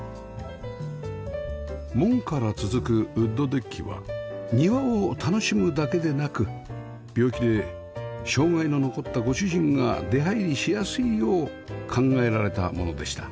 門から続くウッドデッキは庭を楽しむだけでなく病気で障害の残ったご主人が出入りしやすいよう考えられたものでした